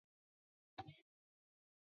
但这两者在后来都落败给柏林。